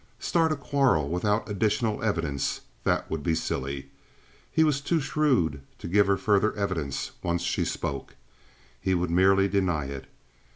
Start a quarrel without additional evidence—that would be silly. He was too shrewd to give her further evidence once she spoke. He would merely deny it.